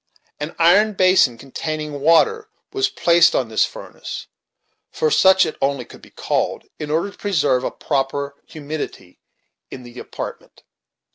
An iron basin, containing water, was placed on this furnace, for such only it could be called, in order to preserve a proper humidity in the apartment.